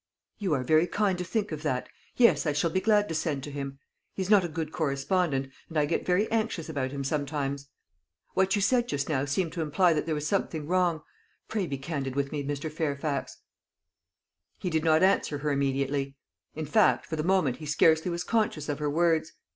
"You are very kind to think of that; yes, I shall be glad to send to him. He is not a good correspondent, and I get very anxious about him sometimes. What you said just now seemed to imply that there was something wrong. Pray be candid with me, Mr. Fairfax." He did not answer her immediately; in fact, for the moment he scarcely was conscious of her words.